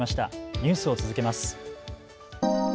ニュースを続けます。